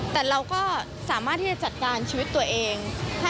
แต่เราก็สามารถที่จะจัดการชีวิตตัวเอง